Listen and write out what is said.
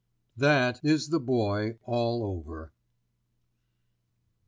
That is the Boy all over.